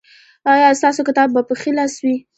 ایا ستاسو کتاب به په ښي لاس وي؟